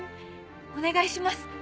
お願いします